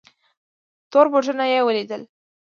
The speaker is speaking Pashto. تور بوټونه یې ولیدل.